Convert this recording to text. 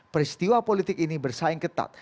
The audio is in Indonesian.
peristiwa politik ini bersaing ketat